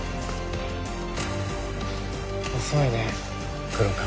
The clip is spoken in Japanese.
遅いね黒川。